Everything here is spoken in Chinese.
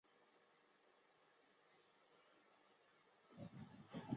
大洋洲壳腺溞为仙达溞科壳腺溞属的动物。